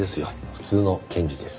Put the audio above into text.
普通の検事です。